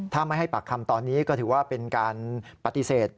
ถ้าไม่ให้ปากคำตอนนี้ก็ถือว่าเป็นการปฏิเสธ